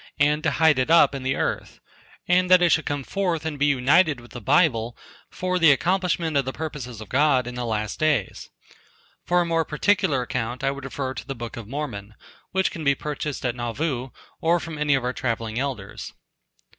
and to hide it up in the earth, and that it should come forth and be united with the bible for the accomplishment of the purposes of God in the last days. For a more particular account I would refer to the Book of Mormon, which can be purchased at Nauvoo, or from any of our travelling elders.